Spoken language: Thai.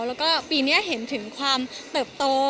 แล้วก็ปีนี้เห็นถึงความเติบโต